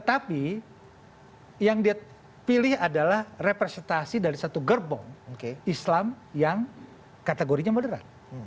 tapi yang dipilih adalah representasi dari satu gerbong islam yang kategorinya beneran